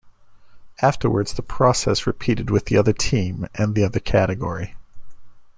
Afterwards, the process repeated with the other team and the other category.